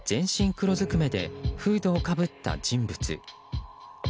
黒ずくめでフードをかぶった人物。